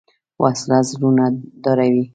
وسله زړونه ډاروي